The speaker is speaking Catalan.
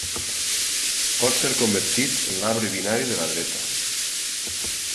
Pot ser convertit en l'arbre binari de la dreta.